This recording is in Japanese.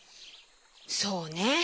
そうね。